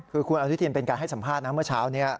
คือคุณอนุทินเป็นการให้สัมภาษณ์นะเมื่อเช้านี้